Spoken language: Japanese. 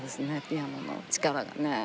ピアノの力がね。